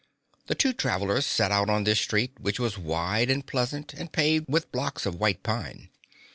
The two travelers set out on this street, which was wide and pleasant and paved with blocks of white pine.